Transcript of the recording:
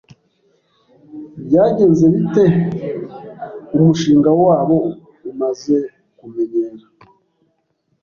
Byagenze bite umushinga wabo umaze kumenyera?